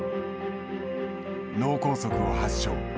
脳梗塞を発症。